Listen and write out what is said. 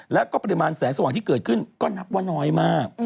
แล้วก็ปริมาณแสงสว่างที่เกิดขึ้นก็นับว่าน้อยมาก